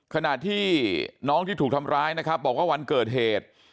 ขณะที่น้องที่ถูกทำร้ายนะครับบอกว่าวันเกิดเหตุ